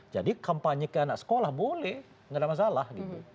jadi kampanye ke anak sekolah boleh nggak ada masalah gitu